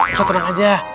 ustaz tenang aja